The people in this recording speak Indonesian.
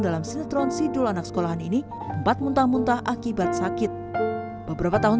dalam sinetron sidul anak sekolahan ini empat muntah muntah akibat sakit beberapa tahun